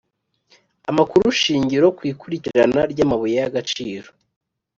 Amakurushingiro ku ikurikirana ryamabuye yagaciro